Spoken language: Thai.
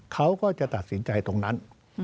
เขาก็จะตัดสินใจตรงนั้น